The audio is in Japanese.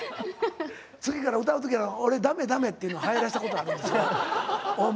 次から歌う時は俺「ダメダメ」っていうのはやらせたことあんねんけど大昔。